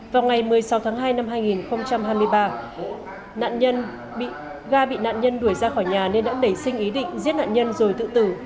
vào ngày một mươi sáu tháng hai năm hai nghìn hai mươi ba ga bị nạn nhân đuổi ra khỏi nhà nên đã đẩy sinh ý định giết nạn nhân rồi tự tử